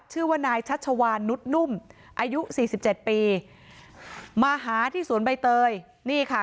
ชื่อว่านายชัชวานนุษย์นุ่มอายุสี่สิบเจ็ดปีมาหาที่สวนใบเตยนี่ค่ะ